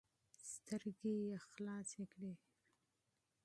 سترګې یې رڼې کړې.